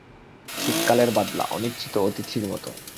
শীতকালের বাদলা, অনিচ্ছিত অতিথির মতো।